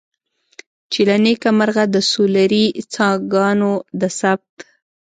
چې له نیکه مرغه د سولري څاګانو د ثبت.